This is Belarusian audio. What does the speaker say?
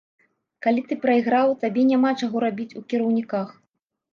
Калі ты прайграў, табе няма чаго рабіць у кіраўніках.